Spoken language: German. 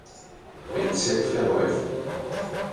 Bezirk verläuft.